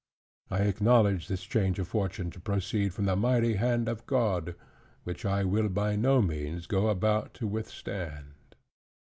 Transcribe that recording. I acknowledge this change of Fortune to proceed from the mighty hand of God, which I will by no means go about to withstand."